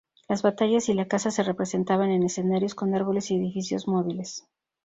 Las batallas y la caza se representaban en escenarios con árboles y edificios móviles.